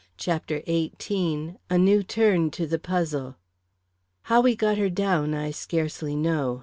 CHAPTER XVIII A New Turn to the Puzzle How we got her down, I scarcely know.